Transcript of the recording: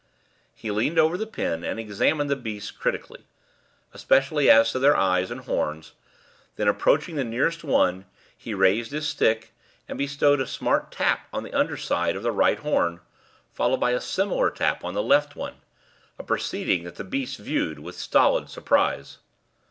He leaned over the pen and examined the beasts critically, especially as to their eyes and horns; then, approaching the nearest one, he raised his stick and bestowed a smart tap on the under side of the right horn, following it by a similar tap on the left one, a proceeding that the beast viewed with stolid surprise.